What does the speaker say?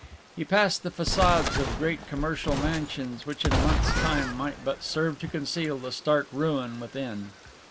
He passed the façades of great commercial mansions which in a month's time might but serve to conceal the stark ruin within.